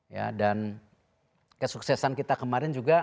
ya dan kesuksesan kita kemarin juga